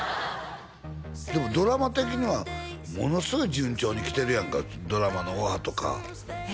でもドラマ的にはものすごい順調に来てるやんかドラマのオファーとかえ